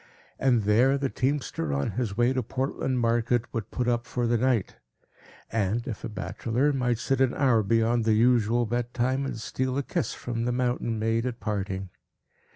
And there the teamster, on his way to Portland market, would put up for the night; and, if a bachelor, might sit an hour beyond the usual bedtime, and steal a kiss from the mountain maid, at parting.